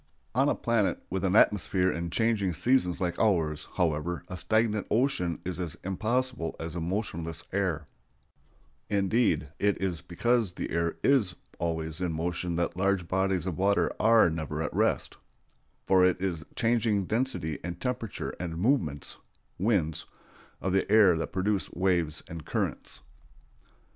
On a planet with an atmosphere and changing seasons like ours, however, a stagnant ocean is as impossible as a motionless air; indeed, it is because the air is always in motion that large bodies of water are never at rest, for it is the changing density and temperature and movements (winds) of the air that produce waves and currents.